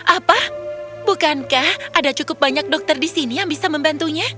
apa bukankah ada cukup banyak dokter di sini yang bisa membantunya